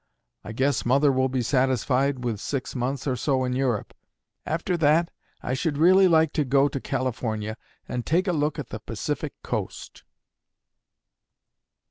I guess mother will be satisfied with six months or so in Europe. After that I should really like to go to California and take a look at the Pacific coast.'"